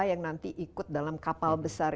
yang nanti ikut dalam kapal besar